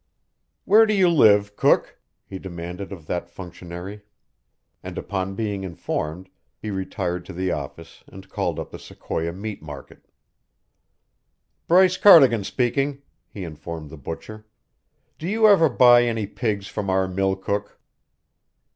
"Where do you live, cook?" he demanded of that functionary; and upon being informed, he retired to the office and called up the Sequoia meat market. "Bryce Cardigan speaking," he informed the butcher. "Do you ever buy any pigs from our mill cook?"